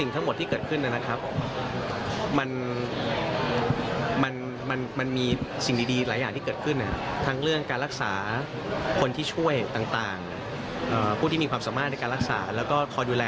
ก็มีเรียกอ่ะให้เขาแบบว่าเออสู้นะ